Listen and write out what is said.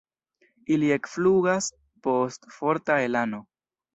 Ili ekflugas post forta elano.